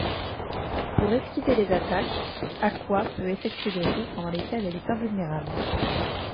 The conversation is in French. Pour esquiver les attaques, Aqua peut effectuer des roues pendant lesquelles elle est invulnérable.